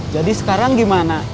jadi sekarang gimana